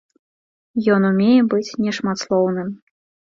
Ён умее быць нешматслоўным.